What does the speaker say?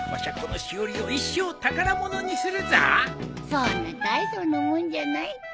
そんな大層なもんじゃないって。